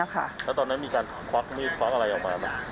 มีการควักมีควักอะไรออกมา